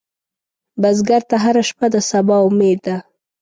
بزګر ته هره شپه د سبا امید ده